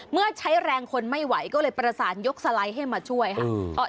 ใช้แรงคนไม่ไหวก็เลยประสานยกสไลด์ให้มาช่วยค่ะ